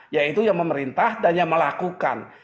yaitu yang memerintah dan yang melakukan